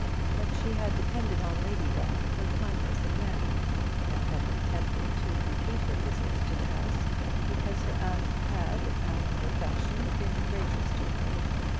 But she had depended on Lady Ball for kindness of manner, and had been tempted to repeat her visits to the house because her aunt had, after her fashion, been gracious to her.